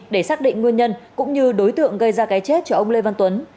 để xác định nguyên nhân cũng như đối tượng gây ra cái chết cho ông lê văn tuấn